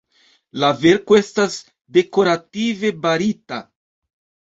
La verko estas dekorative barita.